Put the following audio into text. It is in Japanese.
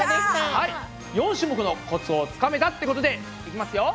４種目のコツをつかめたってことでいきますよ！